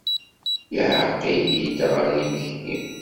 Yeɛreḍ-iyi-d ɣer yimekli.